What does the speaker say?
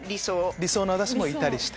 理想の私もいたりして。